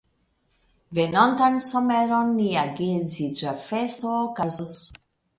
Venontan someron nia geedziĝa festo okazos.